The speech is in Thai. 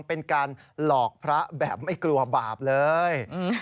เป็นการหลอกพระแบบไม่กลัวบาปเลย